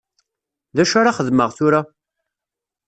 D acu ara xedmeɣ tura?